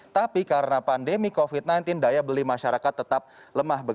tapi karena pandemi covid sembilan belas daya beli masyarakat tetap lemah